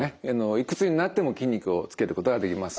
いくつになっても筋肉をつけることができます。